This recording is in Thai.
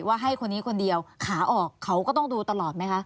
ให้คนนี้คนเดียวขาออกเขาก็ต้องดูตลอดไหมคะ